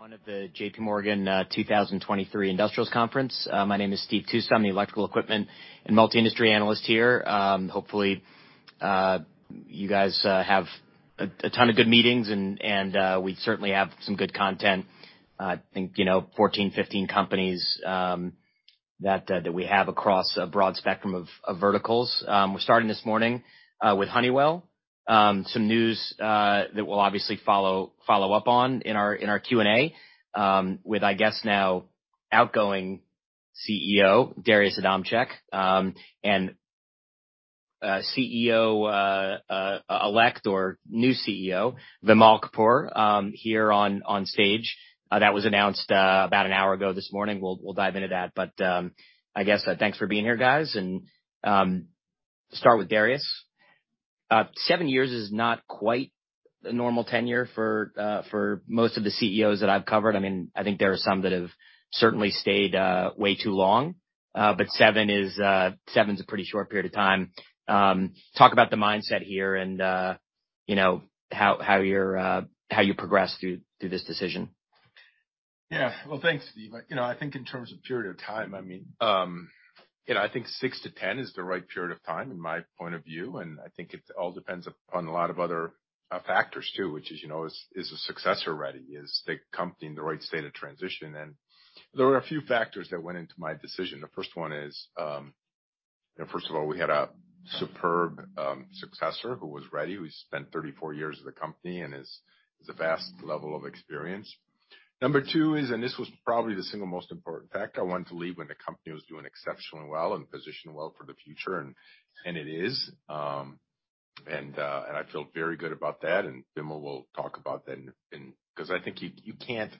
One of the JPMorgan 2023 Industrials Conference. My name is Steve Tusa, the electrical equipment and multi-industry analyst here. Hopefully, you guys have a ton of good meetings and we certainly have some good content. I think, you know, 14, 15 companies that we have across a broad spectrum of verticals. We're starting this morning with Honeywell. Some news that we'll obviously follow up on in our Q&A with, I guess, now outgoing CEO Darius Adamczyk, and CEO elect or new CEO Vimal Kapur here on stage. That was announced about 1 hour ago this morning. We'll dive into that. I guess, thanks for being here, guys. Start with Darius. Seven years is not quite the normal tenure for most of the CEOs that I've covered. I mean, I think there are some that have certainly stayed way too long. Seven is seven's a pretty short period of time. Talk about the mindset here and, you know, how you progressed through this decision? Yeah. Well, thanks, Steve. You know, I think in terms of period of time, I mean, you know, I think six to 10 is the right period of time in my point of view. I think it all depends upon a lot of other factors too, which is, you know, is the successor ready? Is the company in the right state of transition? There were a few factors that went into my decision. The first one is, you know, first of all, we had a superb successor who was ready, who spent 34 years at the company and has a vast level of experience. Number two is, this was probably the single most important factor, I wanted to leave when the company was doing exceptionally well and positioned well for the future and it is. I feel very good about that, Vimal will talk about that cause I think you can't,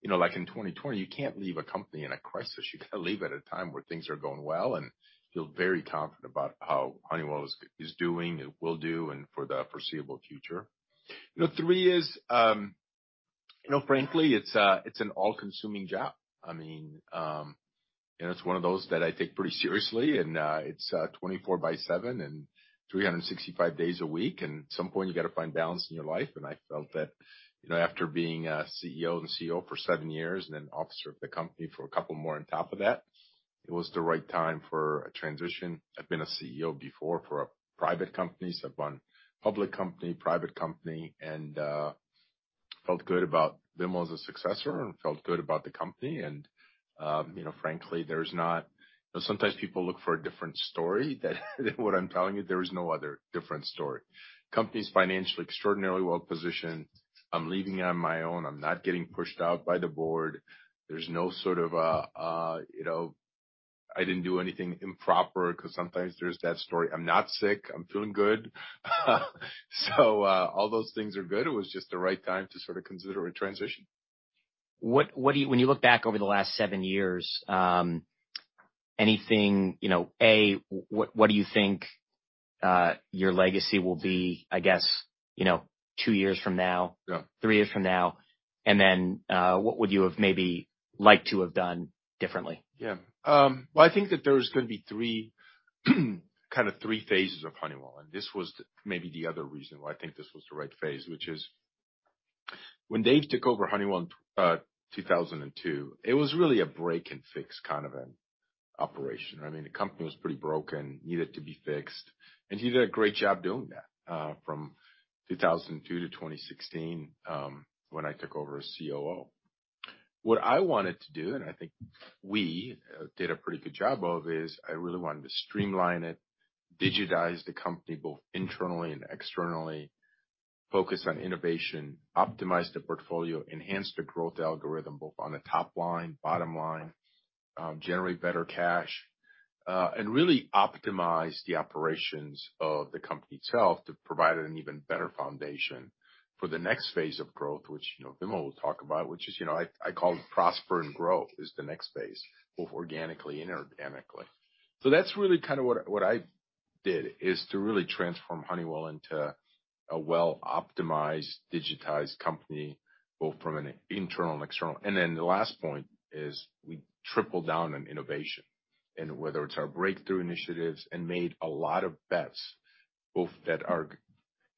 you know, like in 2020, you can't leave a company in a crisis. You gotta leave at a time where things are going well and feel very confident about how Honeywell is doing and will do and for the foreseeable future. You know, three is, you know, frankly, it's an all-consuming job. I mean, it's one of those that I take pretty seriously, it's 24/7 and 365 days a week. At some point, you gotta find balance in your life. I felt that, you know, after being a CEO and CEO for seven years, and an officer of the company for a couple more on top of that, it was the right time for a transition. I've been a CEO before for a private company, I've run public company, private company, and felt good about Vimal as a successor and felt good about the company. You know, frankly, you know, sometimes people look for a different story than what I'm telling you. There is no other different story. Company's financially extraordinarily well-positioned. I'm leaving on my own. I'm not getting pushed out by the board. There's no sort of a, you know, I didn't do anything improper, cause sometimes there's that story. I'm not sick. I'm feeling good. All those things are good. It was just the right time to sort of consider a transition. When you look back over the last seven years, anything, you know, what do you think your legacy will be, I guess, you know, two years from now? Yeah. Three years from now? What would you have maybe liked to have done differently? Yeah. Well, I think that there's gonna be three, kind of three phases of Honeywell. This was the maybe the other reason why I think this was the right phase, which is when David took over Honeywell in 2002, it was really a break and fix kind of an operation. I mean, the company was pretty broken, needed to be fixed. He did a great job doing that, from 2002-2016, when I took over as COO. What I wanted to do, and I think we did a pretty good job of, is I really wanted to streamline it, digitize the company both internally and externally, focus on innovation, optimize the portfolio, enhance the growth algorithm both on the top line, bottom line, generate better cash, and really optimize the operations of the company itself to provide an even better foundation for the next phase of growth, which you know, Vimal will talk about, which is, you know, I call prosper and grow is the next phase, both organically and inorganically. That's really kind of what I did, is to really transform Honeywell into a well-optimized, digitized company, both from an internal and external. The last point is we tripled down on innovation. Whether it's our breakthrough initiatives and made a lot of bets, both that are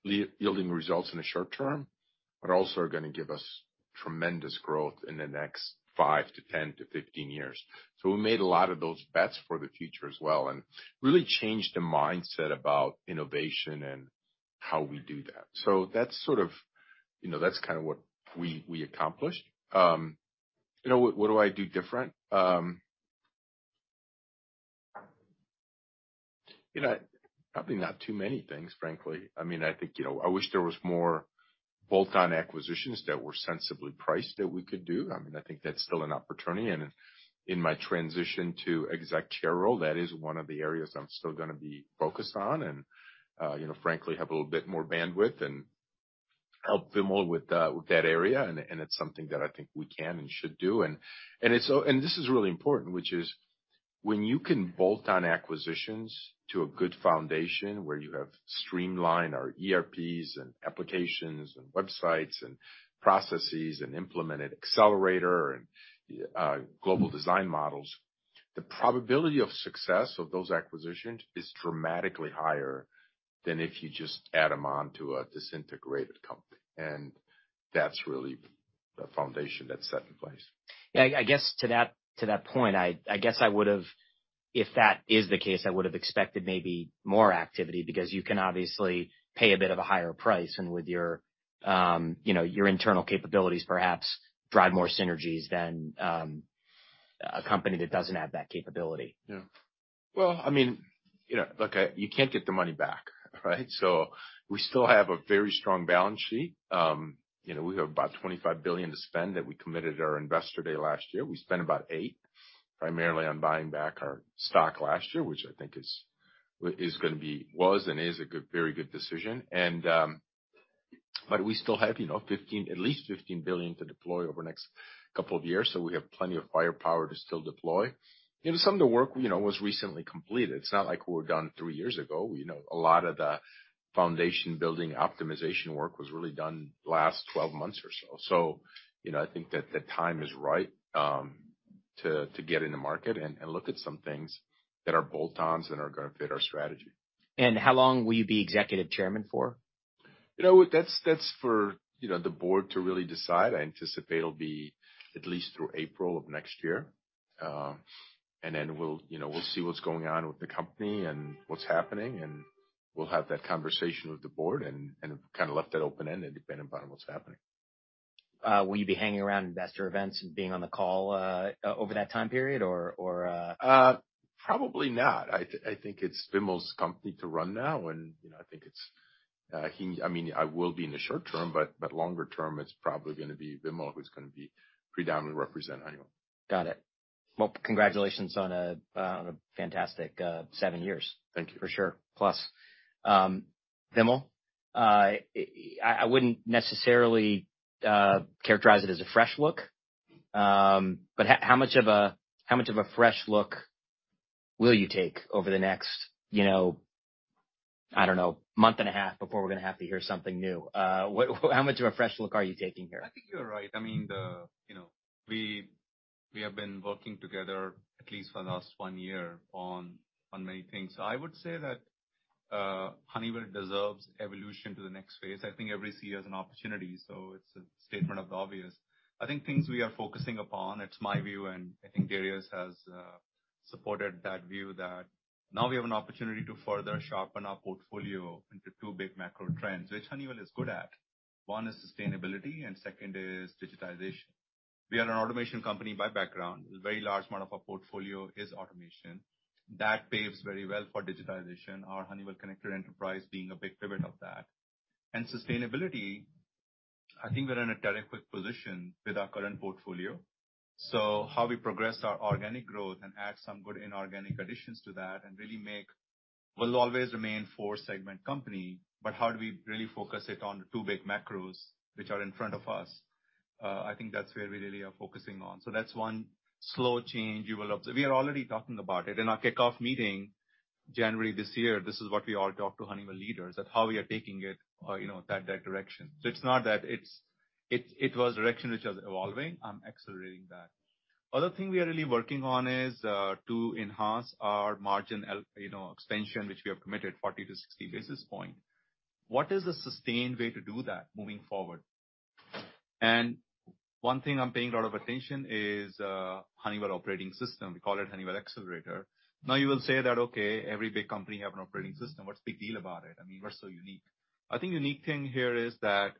yielding results in the short term, but also are gonna give us tremendous growth in the next 5 to 10 to 15 years. We made a lot of those bets for the future as well and really changed the mindset about innovation and how we do that. That's sort of, you know, that's kind of what we accomplished. You know, what do I do different? You know, probably not too many things, frankly. I mean, I think, you know, I wish there was more bolt-on acquisitions that were sensibly priced that we could do. I mean, I think that's still an opportunity. In my transition to Executive Chair role, that is one of the areas I'm still gonna be focused on and, you know, frankly, have a little bit more bandwidth and help Vimal with that area. It's something that I think we can and should do. It's, and this is really important, which is when you can bolt on acquisitions to a good foundation where you have streamlined our ERPs and applications and websites and processes and implemented Accelerator and, global design models. The probability of success of those acquisitions is dramatically higher than if you just add them on to a disintegrated company. That's really the foundation that's set in place. I guess to that point, I guess If that is the case, I would have expected maybe more activity because you can obviously pay a bit of a higher price and with your, you know, your internal capabilities perhaps drive more synergies than a company that doesn't have that capability. Yeah. Well, I mean, you know, look, you can't get the money back, right? We still have a very strong balance sheet. You know, we have about $25 billion to spend that we committed at our investor day last year. We spent about $8 billion primarily on buying back our stock last year, which I think is gonna be was and is a good, very good decision. We still have, you know, at least $15 billion to deploy over the next couple of years, so we have plenty of firepower to still deploy. You know, some of the work, you know, was recently completed. It's not like we're done three years ago. You know, a lot of the foundation building optimization work was really done the last 12 months or so. You know, I think that the time is right, to get in the market and look at some things that are bolt-ons and are gonna fit our strategy. How long will you be Executive Chairman for? You know what? That's, that's for, you know, the board to really decide. I anticipate it'll be at least through April of next year. Then we'll, you know, we'll see what's going on with the company and what's happening, and we'll have that conversation with the board and kind of left that open-ended depending upon what's happening. Will you be hanging around investor events and being on the call, over that time period or? Probably not. I think it's Vimal's company to run now and, you know, I think it's, I mean, I will be in the short term, but longer term, it's probably gonna be Vimal who's gonna be predominantly representing Honeywell. Got it. Well, congratulations on a fantastic seven years. Thank you. For sure. Plus. Vimal, I wouldn't necessarily characterize it as a fresh look, but how much of a fresh look will you take over the next, you know, I don't know, month and a half before we're gonna have to hear something new? How much of a fresh look are you taking here? I think you're right. I mean, the, you know, we have been working together at least for the last one year on many things. I would say that Honeywell deserves evolution to the next phase. I think every CEO has an opportunity, so it's a statement of the obvious. I think things we are focusing upon, it's my view, and I think Darius has supported that view that now we have an opportunity to further sharpen our portfolio into two big macro trends, which Honeywell is good at. One is sustainability, and second is digitization. We are an automation company by background. A very large amount of our portfolio is automation. That paves very well for digitization, our Honeywell Connected Enterprise being a big pivot of that. Sustainability, I think we're in a terrific position with our current portfolio. How we progress our organic growth and add some good inorganic additions to that and really make. We'll always remain four-segment company, but how do we really focus it on the two big macros which are in front of us? I think that's where we really are focusing on. That's one slow change you will observe. We are already talking about it. In our kickoff meeting January this year, this is what we all talked to Honeywell leaders of how we are taking it, you know, that direction. It's not that it was direction which was evolving. I'm accelerating that. Other thing we are really working on is to enhance our margin you know, expansion, which we have committed 40-60 basis point. What is a sustained way to do that moving forward? One thing I'm paying a lot of attention is Honeywell operating system. We call it Honeywell Accelerator. Now, you will say that, okay, every big company have an operating system. What's the big deal about it? I mean, what's so unique? I think the unique thing here is that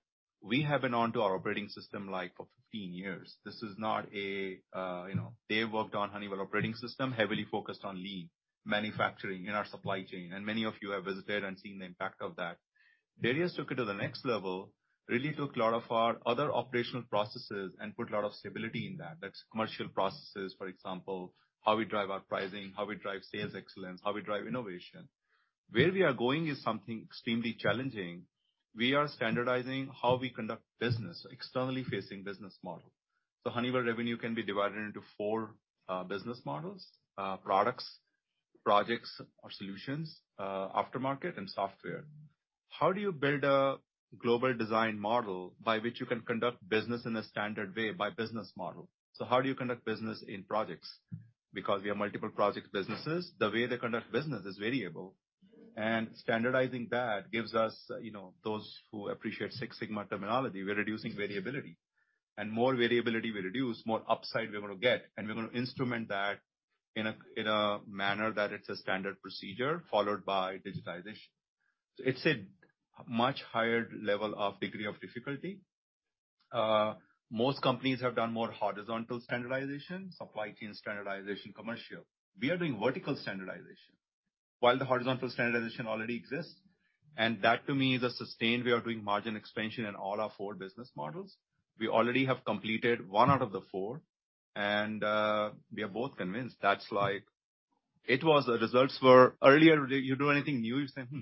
we have been onto our operating system, like, for 15 years. This is not a, you know, they worked on Honeywell operating system, heavily focused on lean manufacturing in our supply chain, and many of you have visited and seen the impact of that. Darius took it to the next level, really took a lot of our other operational processes and put a lot of stability in that. That's commercial processes, for example, how we drive our pricing, how we drive sales excellence, how we drive innovation. Where we are going is something extremely challenging. We are standardizing how we conduct business, externally facing business model. Honeywell revenue can be divided into four business models: products, projects or solutions, aftermarket, and software. How do you build a global design model by which you can conduct business in a standard way by business model? How do you conduct business in projects? Because we have multiple project businesses, the way they conduct business is variable. Standardizing that gives us, you know, those who appreciate Six Sigma terminology, we're reducing variability. More variability we reduce, more upside we're gonna get, and we're gonna instrument that in a manner that it's a standard procedure followed by digitization. It's a much higher level of degree of difficulty. Most companies have done more horizontal standardization, supply chain standardization, commercial. We are doing vertical standardization while the horizontal standardization already exists. That to me is a sustain. We are doing margin expansion in all our four business models. We already have completed one out of the four, and we are both convinced that's like. It was, the results were earlier, you do anything new, you say, hmm,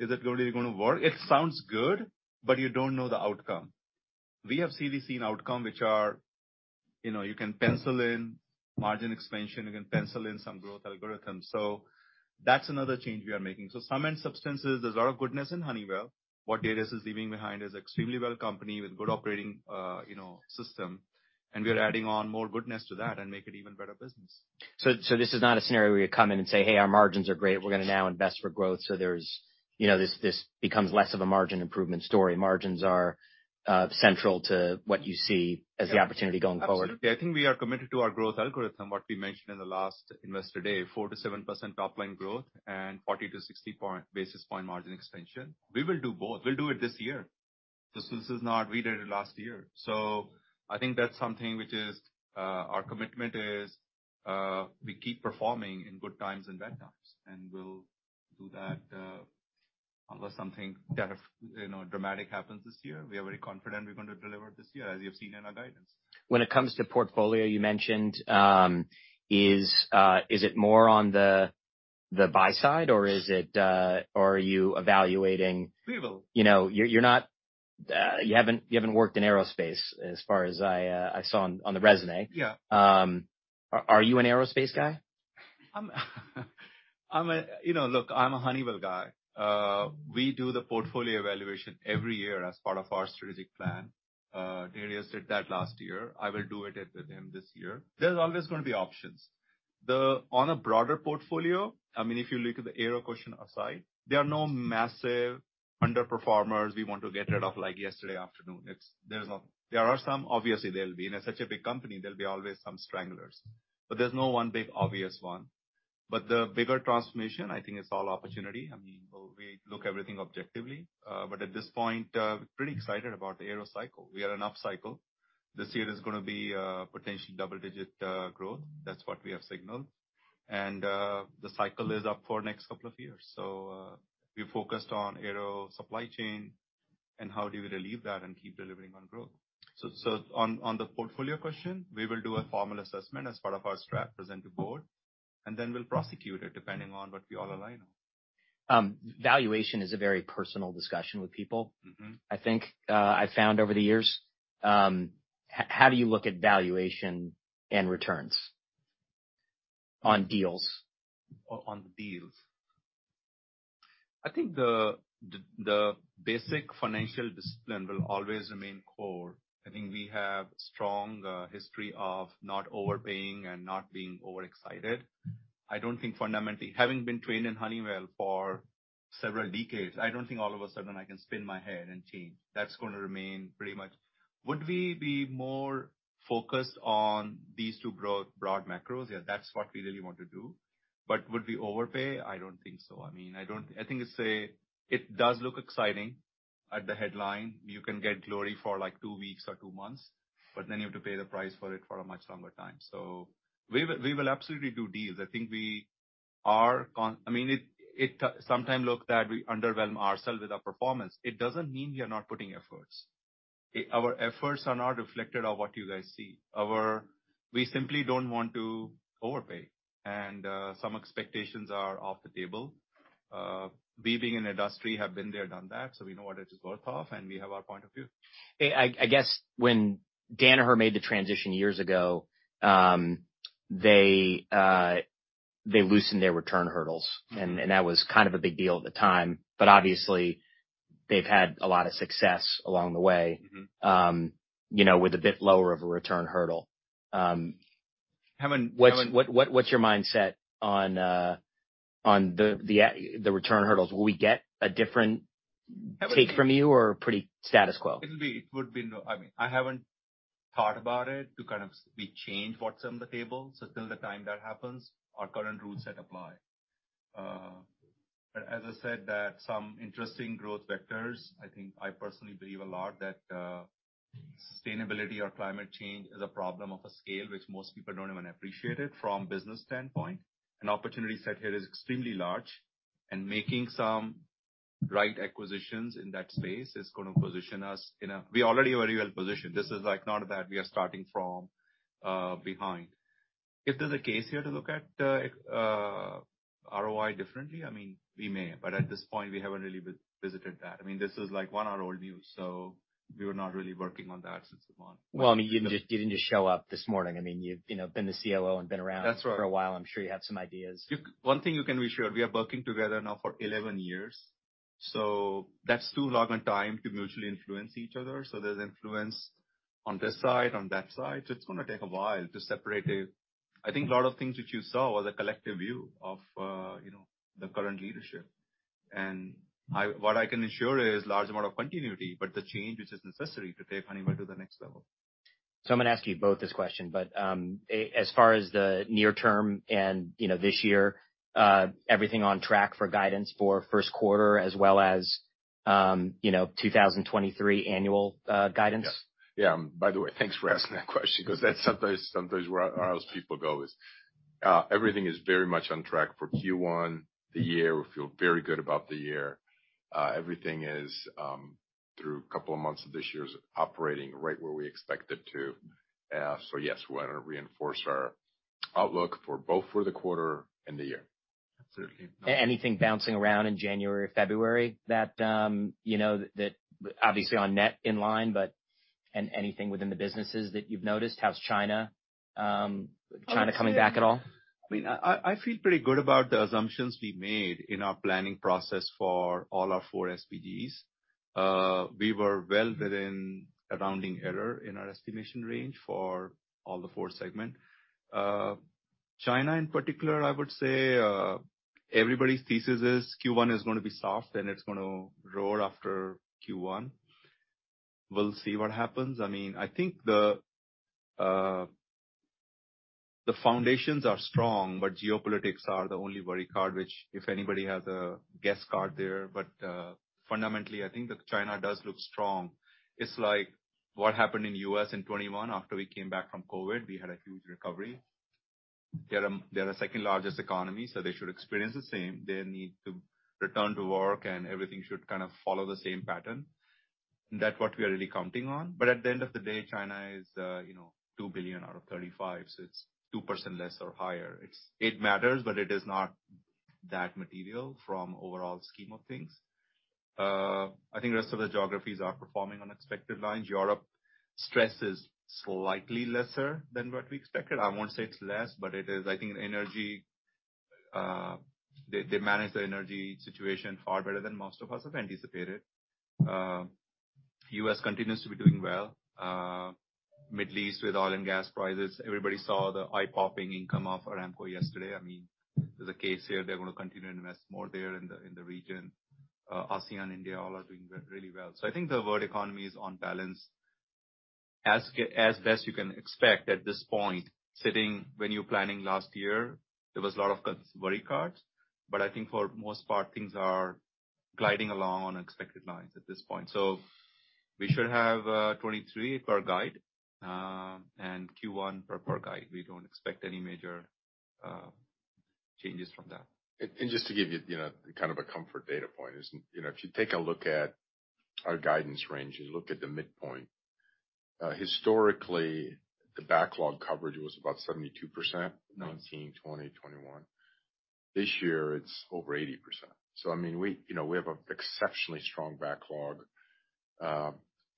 is it really gonna work? It sounds good, but you don't know the outcome. We have clearly seen outcome which are, you know, you can pencil in margin expansion, you can pencil in some growth algorithms. That's another change we are making. Some end substances, there's a lot of goodness in Honeywell. What Darius is leaving behind is extremely well company with good operating, you know, system, and we are adding on more goodness to that and make it even better business. This is not a scenario where you come in and say, hey, our margins are great. We're gonna now invest for growth. There's, you know, this becomes less of a margin improvement story. Margins are central to what you see as the opportunity going forward. Absolutely. I think we are committed to our growth algorithm, what we mentioned in the last Investor Day, 4%-7% top line growth and 40-60 basis point margin expansion. We will do both. We'll do it this year. This is not we did it last year. I think that's something which is, our commitment is, we keep performing in good times and bad times, and we'll do that, unless something you know, dramatic happens this year. We are very confident we're gonna deliver this year, as you have seen in our guidance. When it comes to portfolio, you mentioned, is it more on the buy side or is it, or are you evaluating? We will. You know, you're not, you haven't worked in aerospace as far as I saw on the resume. Yeah. Are you an aerospace guy? I'm a, you know, look, I'm a Honeywell guy. We do the portfolio evaluation every year as part of our strategic plan. Darius did that last year. I will do it at the end this year. There's always gonna be options. On a broader portfolio, I mean, if you look at the aero question aside, there are no massive underperformers we want to get rid of like yesterday afternoon. It's, there are some. Obviously, there'll be. In such a big company, there'll be always some stragglers, but there's no one big obvious one. The bigger transformation, I think it's all opportunity. I mean, we look everything objectively. At this point, pretty excited about the aero cycle. We are in up cycle. This year is gonna be potentially double-digit growth. That's what we have signaled. The cycle is up for next couple of years. We're focused on aero supply chain and how do we relieve that and keep delivering on growth. On the portfolio question, we will do a formal assessment as part of our strat, present to Board, and then we'll prosecute it depending on what we all align on. Valuation is a very personal discussion with people. Mm-hmm. I think, I found over the years. How do you look at valuation and returns on deals? On the deals. I think the basic financial discipline will always remain core. I think we have strong history of not overpaying and not being overexcited. I don't think fundamentally, having been trained in Honeywell for several decades, I don't think all of a sudden I can spin my head and change. That's gonna remain pretty much. Would we be more focused on these two broad macros? Yeah, that's what we really want to do. Would we overpay? I don't think so. I mean, I think it's, it does look exciting at the headline. You can get glory for like two weeks or two months, you have to pay the price for it for a much longer time. We will absolutely do deals. I think I mean, it sometimes looks that we underwhelm ourselves with our performance. It doesn't mean we are not putting efforts. Our efforts are not reflected on what you guys see. We simply don't want to overpay, and some expectations are off the table. We being in the industry, have been there, done that, so we know what it is worth of, and we have our point of view. I guess when Danaher made the transition years ago, they loosened their return hurdles. Mm-hmm. That was kind of a big deal at the time, but obviously they've had a lot of success along the way. Mm-hmm. You know, with a bit lower of a return hurdle. what's your mindset on the return hurdles? Will we get a different take from you or pretty status quo? I mean, I haven't thought about it to kind of we change what's on the table. Till the time that happens, our current ruleset apply. As I said that some interesting growth vectors, I think I personally believe a lot that sustainability or climate change is a problem of a scale which most people don't even appreciate it from business standpoint. An opportunity set here is extremely large, and making some right acquisitions in that space is gonna position us in a. We already are well-positioned. This is like not that we are starting from behind. If there's a case here to look at ROI differently, I mean, we may. At this point, we haven't really visited that. I mean, this is like one-hour old news, we were not really working on that since the month. Well, I mean, you didn't just, you didn't just show up this morning. I mean, you've, you know, been the COO and been around- That's right. -for a while. I'm sure you have some ideas. One thing you can be sure, we are working together now for 11 years, that's too long a time to mutually influence each other. There's influence on this side, on that side. It's gonna take a while to separate it. I think a lot of things that you saw was a collective view of, you know, the current leadership. What I can assure is large amount of continuity, but the change which is necessary to take Honeywell to the next level. I'm gonna ask you both this question, but, as far as the near term and, you know, this year, everything on track for guidance for first quarter as well as, you know, 2023 annual guidance? Yeah. By the way, thanks for asking that question cause that's sometimes where our people go is. Everything is very much on track for Q1, the year. We feel very good about the year. Everything is through couple of months of this year's operating right where we expect it to. Yes, we wanna reinforce our outlook for both for the quarter and the year. Anything bouncing around in January, February that, you know, that obviously on net in line. Anything within the businesses that you've noticed? How's China coming back at all? I mean, I feel pretty good about the assumptions we made in our planning process for all our four SBGs. We were well within a rounding error in our estimation range for all the four segment. China in particular, I would say, everybody's thesis is Q1 is gonna be soft, and it's gonna roar after Q1. We'll see what happens. I mean, I think the foundations are strong, but geopolitics are the only worry card, which if anybody has a guest card there. Fundamentally, I think that China does look strong. It's like what happened in U.S. in 2021 after we came back from COVID, we had a huge recovery. They're the second-largest economy, so they should experience the same. They need to return to work, and everything should kind of follow the same pattern. That what we are really counting on. At the end of the day, China is, you know, $2 billion out of 35, so it's 2% less or higher. It matters, but it is not that material from overall scheme of things. I think the rest of the geographies are performing on expected lines. Europe stress is slightly lesser than what we expected. I won't say it's less, but it is, I think, an energy. They managed the energy situation far better than most of us have anticipated. U.S. continues to be doing well. Middle East with oil and gas prices, everybody saw the eye-popping income of Saudi Aramco yesterday. I mean, there's a case here they're gonna continue to invest more there in the region. ASEAN, India, all are doing really well. I think the world economy is on balance as best you can expect at this point, sitting when you're planning last year, there was a lot of worry cards. I think for most part, things are gliding along on expected lines at this point. We should have 2023 per guide, and Q1 per guide. We don't expect any major changes from that. Just to give you know, kind of a comfort data point is, you know, if you take a look at our guidance range and look at the midpoint, historically, the backlog coverage was about 72%, 2019, 2020, 2021. This year, it's over 80%. I mean, we, you know, we have an exceptionally strong backlog,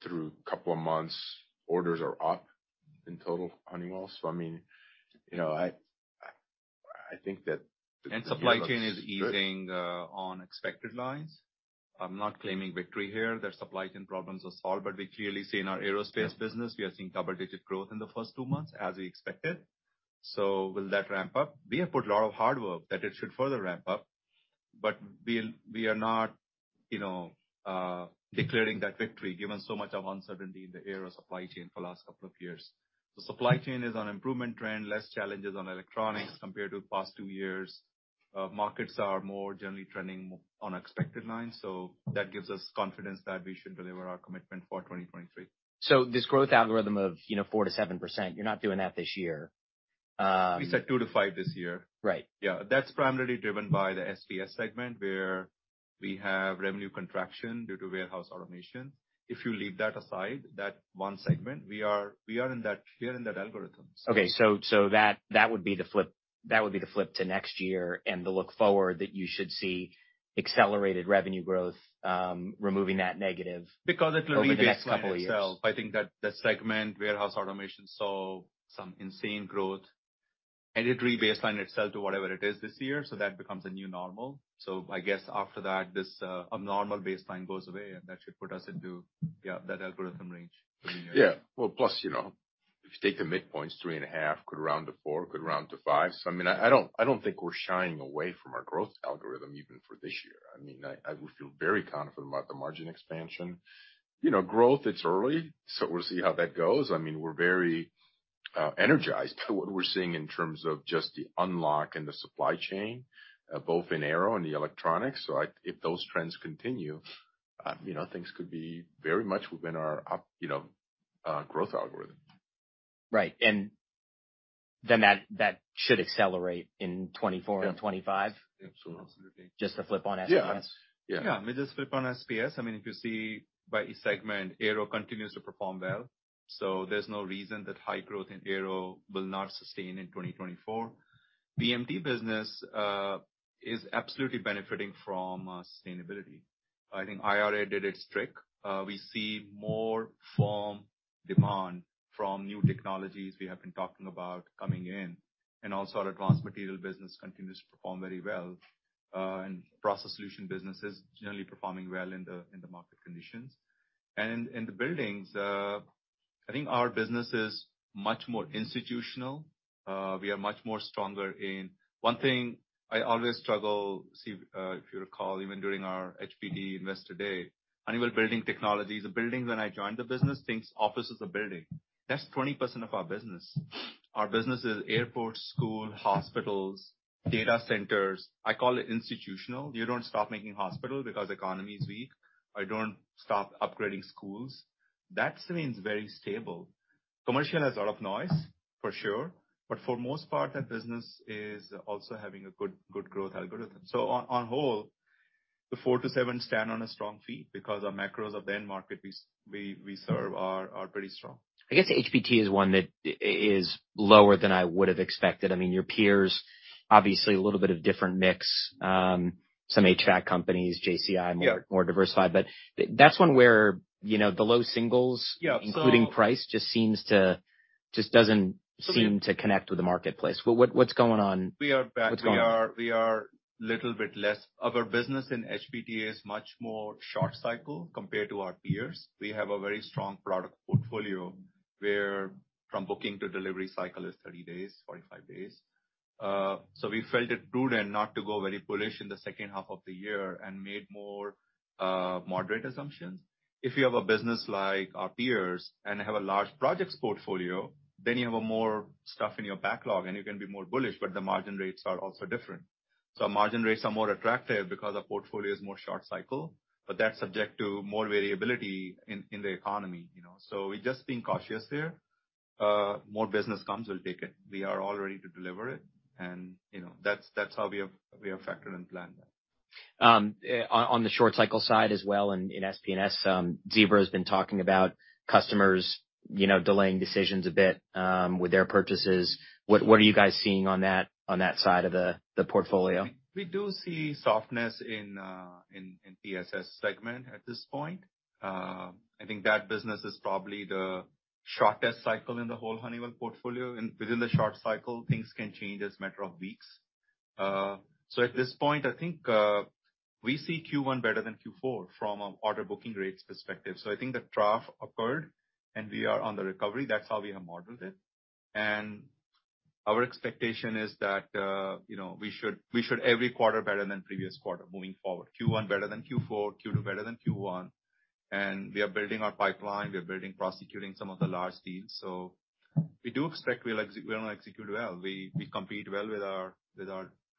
through couple of months. Orders are up in total Honeywell. I mean, you know, I think that the year looks good. Supply chain is easing on expected lines. I'm not claiming victory here, their supply chain problems are solved. We clearly see in our aerospace business, we are seeing double-digit growth in the first two months, as we expected. Will that ramp up? We have put a lot of hard work that it should further ramp up, but we are not, you know, declaring that victory, given so much of uncertainty in the aero supply chain for last couple of years. The supply chain is on improvement trend, less challenges on electronics compared to past two years. Markets are more generally trending on expected lines, so that gives us confidence that we should deliver our commitment for 2023. This growth algorithm of, you know, 4%-7%, you're not doing that this year. We said two to five this year. Right. Yeah. That's primarily driven by the SPS segment, where we have revenue contraction due to warehouse automation. If you leave that aside, that one segment, we are here in that algorithm. Okay. So that would be the flip to next year and the look forward that you should see accelerated revenue growth, removing that negative- It will re-baseline itself. -over the next couple of years. I think that that segment, warehouse automation, saw some insane growth, and it re-baseline itself to whatever it is this year, so that becomes a new normal. I guess after that, this abnormal baseline goes away, and that should put us into, yeah, that algorithm range for the year. Well, plus, you know, if you take the midpoints, three and a half could round to four, could round to five. I mean, I don't think we're shying away from our growth algorithm even for this year. I mean, I would feel very confident about the margin expansion. You know, growth, it's early, we'll see how that goes. I mean, we're very energized by what we're seeing in terms of just the unlock in the supply chain, both in aero and the electronics. If those trends continue, you know, things could be very much within our, you know, growth algorithm. Right. Then that should accelerate in 2024 and 2025? Yeah. Absolutely. Absolutely. Just to flip on SPS. Yeah. Yeah. I mean, just flip on SPS. I mean, if you see by each segment, aero continues to perform well, there's no reason that high growth in aero will not sustain in 2024. PMT business is absolutely benefiting from sustainability. I think IRA did its trick. We see more firm demand from new technologies we have been talking about coming in, also our advanced material business continues to perform very well. Process solution business is generally performing well in the market conditions. In the buildings, I think our business is much more institutional. We are much more stronger in, one thing I always struggle, Steve, if you recall, even during our HPD Investor Day, Honeywell Building Technologies. The buildings when I joined the business thinks office is a building. That's 20% of our business. Our business is airports, school, hospitals, data-centers. I call it institutional. You don't stop making hospital because economy is weak. I don't stop upgrading schools. That remains very stable. Commercial has a lot of noise, for sure, for most part, that business is also having a good growth algorithm. On whole, the 4%-7% stand on a strong fee because our macros of the end market we serve are pretty strong. I guess HBT is one that is lower than I would have expected. I mean, your peers, obviously a little bit of different mix, Some HVAC companies, JCI more, more diversified. That's one where, you know, the low singles. Yeah. Including price just doesn't seem to connect with the marketplace. What's going on? We are back. What's going on? We are little bit less. Our business in HBT is much more short cycle compared to our peers. We have a very strong product portfolio where from booking to delivery cycle is 30 days, 45 days. So we felt it prudent not to go very bullish in the second half of the year and made more moderate assumptions. If you have a business like our peers and have a large projects portfolio, then you have a more stuff in your backlog, and you can be more bullish, but the margin rates are also different. Our margin rates are more attractive because our portfolio is more short cycle, but that's subject to more variability in the economy, you know. We're just being cautious there. More business comes, we'll take it. We are all ready to deliver it. You know, that's how we have factored and planned that. On the short cycle side as well in SPS, Zebra has been talking about customers, you know, delaying decisions a bit, with their purchases. What are you guys seeing on that side of the portfolio? We do see softness in PSS segment at this point. I think that business is probably the shortest cycle in the whole Honeywell portfolio. Within the short cycle, things can change as a matter of weeks. At this point, I think we see Q1 better than Q4 from an order booking rates perspective. I think the trough occurred, and we are on the recovery. That's how we have modeled it. Our expectation is that, you know, we should every quarter better than previous quarter moving forward. Q1 better than Q4, Q2 better than Q1. We are building our pipeline, we are building, prosecuting some of the large deals. We do expect we'll execute well. We compete well with our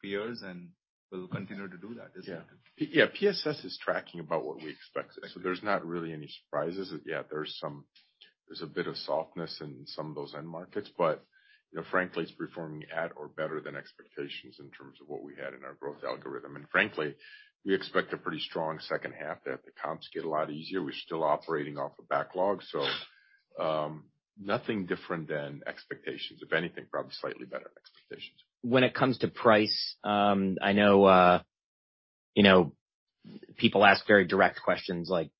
peers, and we'll continue to do that this quarter. Yeah, PSS is tracking about what we expected. There's not really any surprises. Yeah, there's a bit of softness in some of those end markets. You know, frankly, it's performing at or better than expectations in terms of what we had in our growth algorithm. Frankly, we expect a pretty strong second half that the comps get a lot easier. We're still operating off of backlog. Nothing different than expectations. If anything, probably slightly better than expectations. When it comes to price, I know, you know, people ask very direct questions like,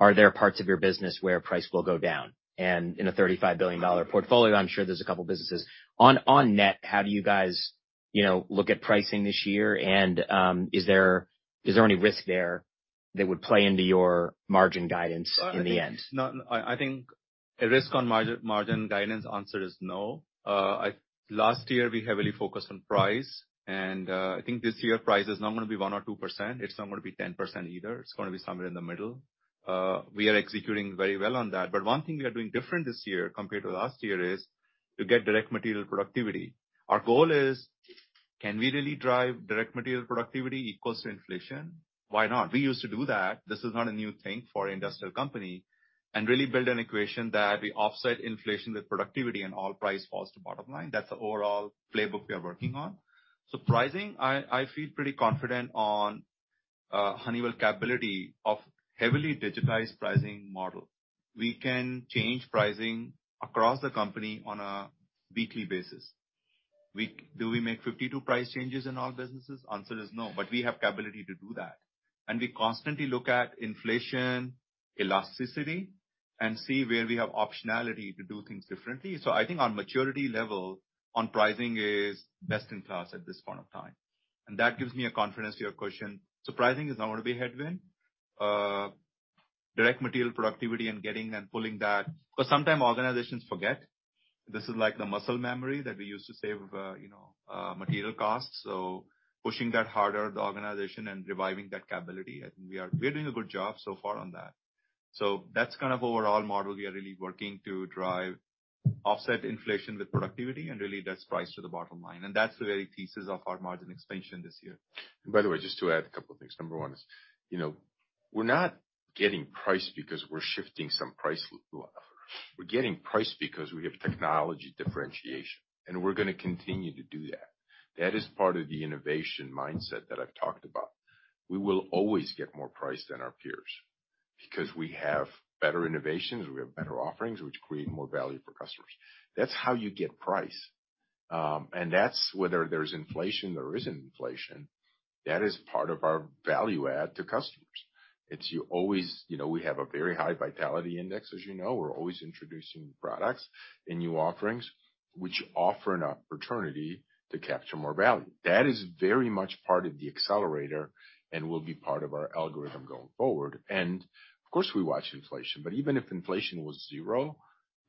are there parts of your business where price will go down? In a $35 billion portfolio, I'm sure there's a couple businesses. On net, how do you guys, you know, look at pricing this year? Is there any risk there that would play into your margin guidance in the end? No, I think a risk on margin guidance answer is no. Last year, we heavily focused on price. I think this year price is not gonna be 1% or 2%. It's not gonna be 10% either. It's gonna be somewhere in the middle. We are executing very well on that. One thing we are doing different this year compared to last year is to get direct material productivity. Our goal is, can we really drive direct material productivity equals to inflation? Why not? We used to do that. This is not a new thing for industrial company. Really build an equation that we offset inflation with productivity and all price falls to bottom line. That's the overall playbook we are working on. Surprising, I feel pretty confident on Honeywell capability of heavily digitized pricing model. We can change pricing across the company on a weekly basis. Do we make 52 price changes in all businesses? Answer is no, but we have capability to do that. We constantly look at inflation elasticity and see where we have optionality to do things differently. I think our maturity level on pricing is best in class at this point of time, and that gives me a confidence to your question. Pricing is not gonna be headwind. Direct material productivity and getting and pulling that, cause sometime organizations forget. This is like the muscle memory that we use to save, you know, material costs. Pushing that harder at the organization and reviving that capability. We are doing a good job so far on that. That's kind of overall model we are really working to drive offset inflation with productivity and really that's priced to the bottom line. That's the very thesis of our margin expansion this year. By the way, just to add a couple of things. Number one is, you know, we're not getting price because we're shifting some price offer. We're getting price because we have technology differentiation, and we're gonna continue to do that. That is part of the innovation mindset that I've talked about. We will always get more price than our peers because we have better innovations, we have better offerings, which create more value for customers. That's how you get price. And that's whether there's inflation, there isn't inflation, that is part of our value add to customers. It's you always, you know, we have a very high vitality index, as you know. We're always introducing new products and new offerings, which offer an opportunity to capture more value. That is very much part of the Accelerator and will be part of our algorithm going forward. Of course, we watch inflation, but even if inflation was zero,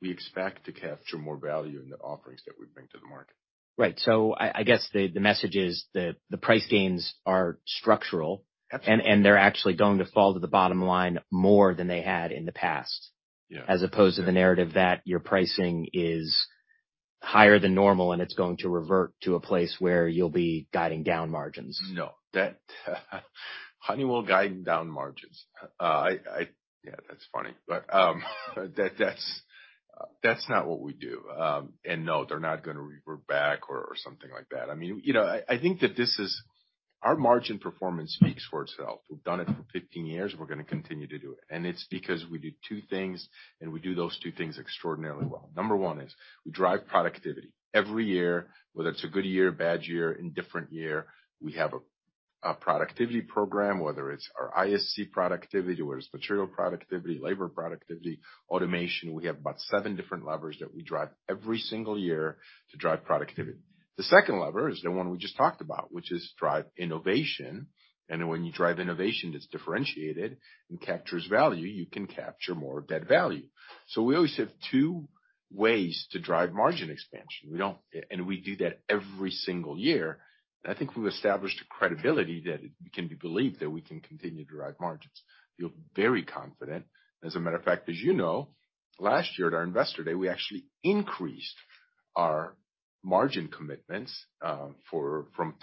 we expect to capture more value in the offerings that we bring to the market. Right. I guess the message is the price gains are structural. Absolutely. They're actually going to fall to the bottom line more than they had in the past. Yeah. As opposed to the narrative that your pricing is higher than normal, and it's going to revert to a place where you'll be guiding down margins. No. That Honeywell guiding down margins. Yeah, that's funny. That's not what we do. No, they're not gonna revert back or something like that. I mean, you know, I think that this is our margin performance here speak for itself. We've done it for 15 years, we're gonna continue to do it. It's because we do two things, and we do those two things extraordinarily well. Number one is we drive productivity. Every year, whether it's a good year, bad year, indifferent year, we have a productivity program, whether it's our ISC productivity, whether it's material productivity, labor productivity, automation. We have about seven different levers that we drive every single year to drive productivity. The second lever is the one we just talked about, which is drive innovation. When you drive innovation that's differentiated and captures value, you can capture more of that value. We always have two ways to drive margin expansion. We do that every single year. I think we've established a credibility that it can be believed that we can continue to drive margins. Feel very confident. As a matter of fact, as you know, last year at our investor day, we actually increased our margin commitments from 30-50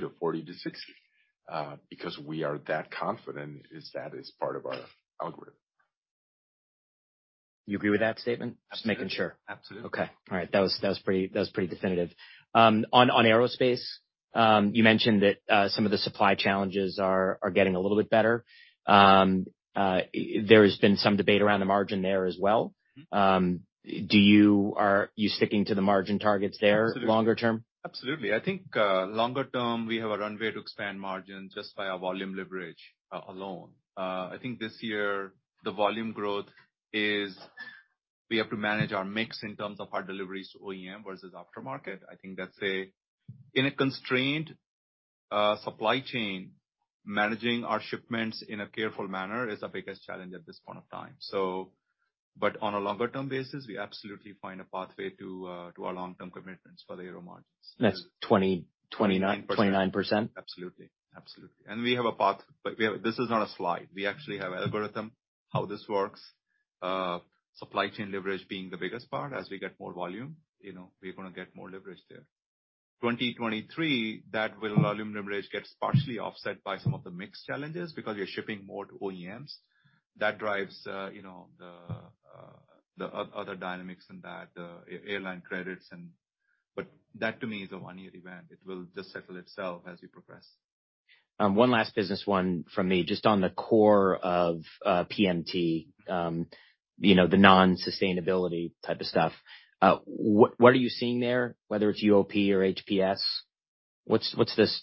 to 40-60, because we are that confident as that is part of our algorithm. You agree with that statement? Absolutely. Just making sure. Absolutely. Okay. All right. That was, that was pretty, that was pretty definitive. On aerospace, you mentioned that some of the supply challenges are getting a little bit better. Are you sticking to the margin targets there longer term? Absolutely. I think longer term, we have a runway to expand margins just by our volume leverage alone. I think this year the volume growth is we have to manage our mix in terms of our deliveries to OEM versus aftermarket. In a constrained supply chain, managing our shipments in a careful manner is our biggest challenge at this point of time. On a longer term basis, we absolutely find a pathway to our long-term commitments for the aero margins. That's 20%- 29%. -29%? Absolutely. Absolutely. We have a path, but we have. This is not a slide. We actually have algorithm how this works. Supply chain leverage being the biggest part. As we get more volume, you know, we're gonna get more leverage there. 2023, that volume leverage gets partially offset by some of the mix challenges because you're shipping more to OEMs. That drives, you know, the other dynamics in that, airline credits. That to me is a one-year event. It will just settle itself as we progress. One last business one from me, just on the core of PMT, you know, the non-sustainability type of stuff. What are you seeing there, whether it's UOP or HPS? What's this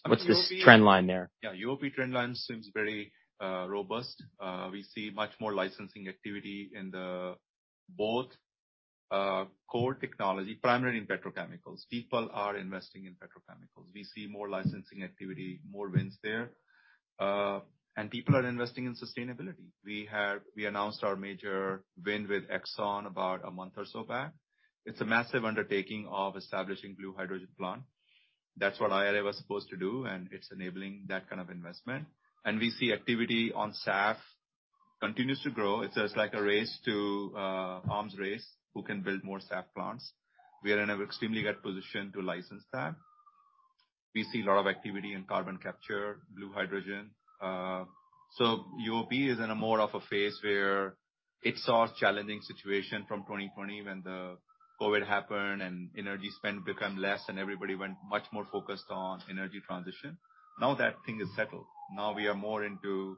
trend line there? Yeah. UOP trend line seems very robust. We see much more licensing activity in the both core technology, primarily in petrochemicals. People are investing in petrochemicals. We see more licensing activity, more wins there. People are investing in sustainability. We announced our major win with Exxon about a month or so back. It's a massive undertaking of establishing blue hydrogen plant. That's what IRA was supposed to do. It's enabling that kind of investment. We see activity on SAF continues to grow. It's just like a race to arms race, who can build more SAF plants. We are in an extremely good position to license that. We see a lot of activity in carbon capture, blue hydrogen. UOP is in a more of a phase where it saw challenging situation from 2020 when the COVID happened and energy spend become less and everybody went much more focused on energy transition. Now that thing is settled. Now we are more into,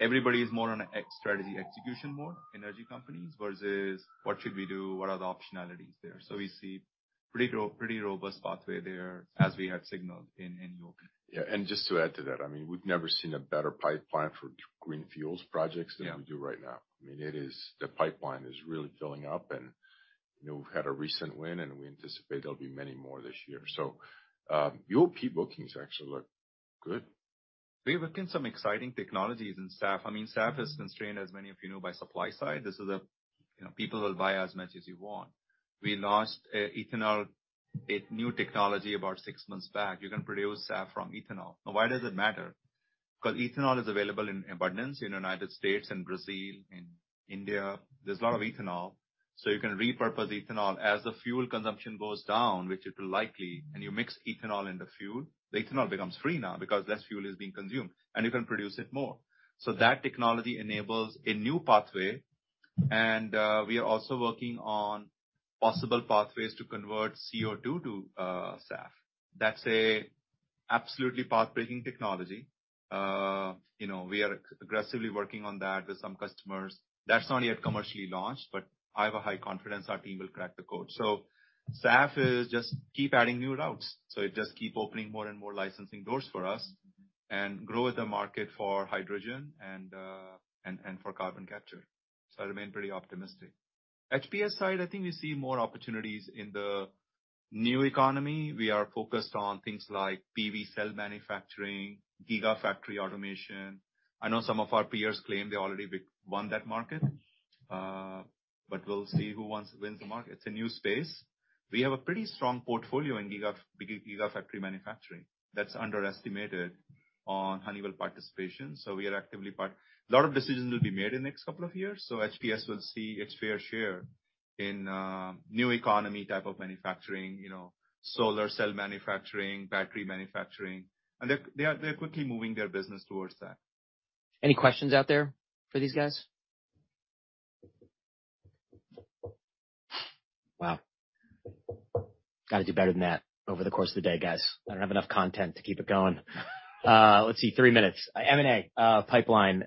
everybody is more on a strategy execution mode, energy companies, versus what should we do? What are the optionalities there? We see pretty robust pathway there as we had signaled in UOP. Yeah. Just to add to that, I mean, we've never seen a better pipeline for green fuels projects- Yeah. -than we do right now. I mean, it is. The pipeline is really filling up and, we've had a recent win, and we anticipate there'll be many more this year. UOP bookings actually look good. We have worked in some exciting technologies in SAF. I mean, SAF is constrained, as many of you know, by supply side. This is, you know, people will buy as much as you want. We launched a ethanol, a new technology about six months back. You can produce from ethanol. Now, why does it matter? Cause ethanol is available in abundance in United States and Brazil, in India. There's a lot of ethanol, you can repurpose ethanol. As the fuel consumption goes down, which it will likely, you mix ethanol in the fuel, the ethanol becomes free now because less fuel is being consumed, and you can produce it more. That technology enables a new pathway. We are also working on possible pathways to convert CO₂ to SAF. That's a absolutely pathbreaking technology. You know, we are aggressively working on that with some customers. That's not yet commercially launched, but I have a high confidence our team will crack the code. SAF is just keep adding new routes. It just keep opening more and more licensing doors for us and grow the market for hydrogen and for carbon capture. I remain pretty optimistic. HPS side, I think we see more opportunities in the new economy. We are focused on things like PV cell manufacturing, gigafactory automation. I know some of our peers claim they already won that market, but we'll see who wins the market. It's a new space. We have a pretty strong portfolio in gigafactory manufacturing that's underestimated on Honeywell participation, so we are actively part. A lot of decisions will be made in the next couple of years, so HPS will see its fair share in, new economy type of manufacturing, you know, solar cell manufacturing, battery manufacturing. They're quickly moving their business towards that. Any questions out there for these guys? Wow. Gotta do better than that over the course of the day, guys. I don't have enough content to keep it going. Let's see, 3 minutes. M&A pipeline.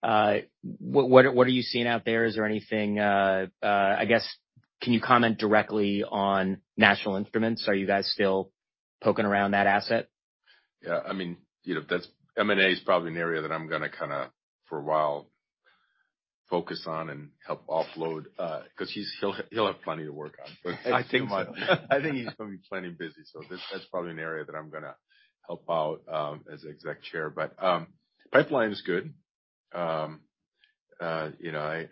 What are you seeing out there? Is there anything, I guess, can you comment directly on National Instruments? Are you guys still poking around that asset? Yeah, I mean, you know, that's. M&A is probably an area that I'm gonna kinda, for a while, focus on and help offload, cause he'll have plenty to work on. I think so. I think he's gonna be plenty busy, so that's probably an area that I'm gonna help out as Executive Chair. Pipeline is good. You know, I,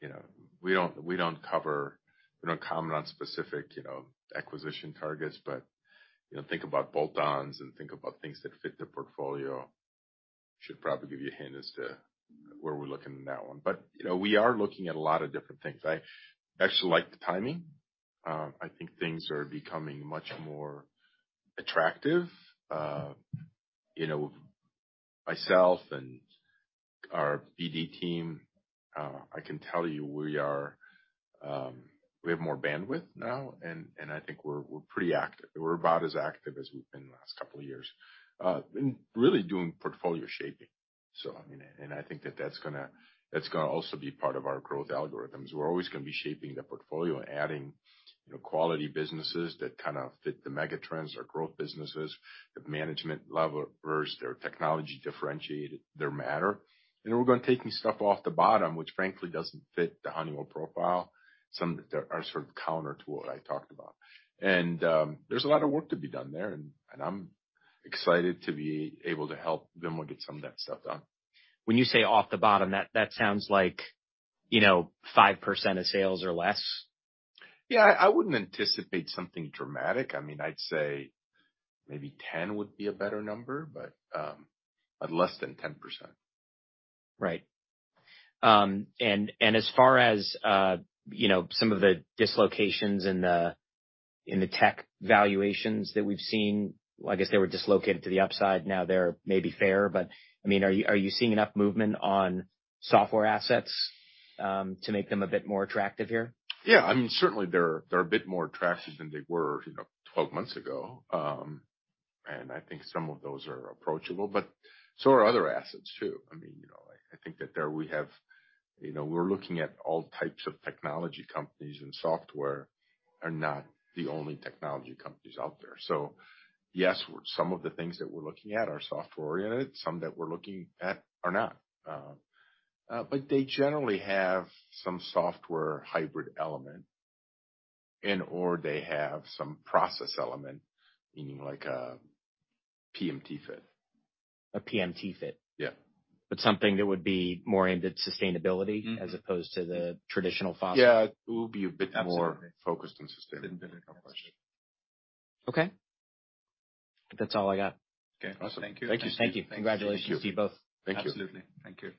you know, we don't comment on specific, you know, acquisition targets, but, you know, think about bolt-ons and think about things that fit the portfolio, should probably give you a hint as to where we're looking in that one. You know, we are looking at a lot of different things. I actually like the timing. I think things are becoming much more attractive. You know, myself and our BD team, I can tell you we are, we have more bandwidth now, and I think we're pretty active. We're about as active as we've been in the last couple of years in really doing portfolio shaping. I mean I think that that's gonna, that's gonna also be part of our growth algorithms. We're always gonna be shaping the portfolio, adding, you know, quality businesses that kind of fit the mega trends or growth businesses. The management level versus their technology differentiated, their matter. We're gonna be taking stuff off the bottom, which frankly doesn't fit the Honeywell profile. Some that are sort of counter to what I talked about. There's a lot of work to be done there, and I'm excited to be able to help Vimal get some of that stuff done. When you say off the bottom, that sounds like, you know, 5% of sales or less. Yeah, I wouldn't anticipate something dramatic. I mean, I'd say maybe 10 would be a better number, but less than 10%. Right. As far as, you know, some of the dislocations in the tech valuations that we've seen, I guess they were dislocated to the upside, now they're maybe fair. I mean, are you seeing enough movement on software assets to make them a bit more attractive here? Yeah. I mean, certainly they're a bit more attractive than they were, you know, 12 months ago. I think some of those are approachable, but so are other assets too. I mean, you know, I think that there we have, you know, we're looking at all types of technology companies, software are not the only technology companies out there. Yes, some of the things that we're looking at are software-oriented, some that we're looking at are not. They generally have some software hybrid element and/or they have some process element, meaning like a PMT fit. A PMT fit? Yeah. Something that would be more aimed at sustainability as opposed to the traditional fossil? Yeah. It will be a bit more focused on sustainability. Okay. That's all I got. Okay. Awesome. Thank you. Thank you. Thank you. Congratulations to you both. Thank you. Absolutely. Thank you.